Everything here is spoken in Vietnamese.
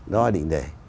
đó là định đề